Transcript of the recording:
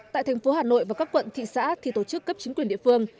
tại thành phố hà nội và các quận thị xã thì tổ chức cấp chính quyền địa phương